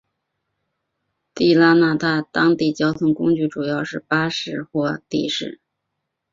地拉那的当地交通工具主要是巴士或的士。